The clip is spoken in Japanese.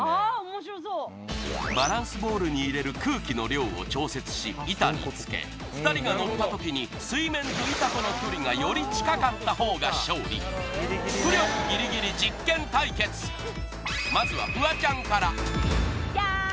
面白そうバランスボールに入れる空気の量を調節し板につけ２人が乗った時に水面と板との距離がより近かったほうが勝利まずはフワちゃんからジャーン